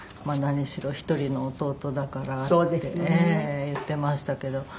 「何しろ一人の弟だから」って言ってましたけど。